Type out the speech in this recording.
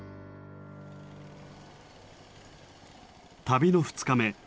旅の２日目。